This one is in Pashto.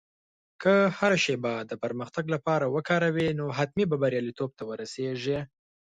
که هره شېبه د پرمختګ لپاره وکاروې، نو حتمي به بریالیتوب ته ورسېږې.